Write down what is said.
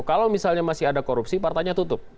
kalau misalnya masih ada korupsi partainya tutup